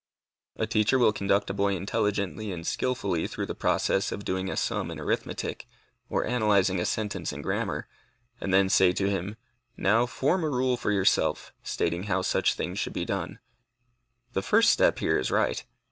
A teacher will conduct a boy intelligently and skilfully through the process of doing a sum in arithmetic, or analyzing a sentence in grammar, and then say to him, "Now, form a rule for yourself, stating how such things should be done." The first step here is right.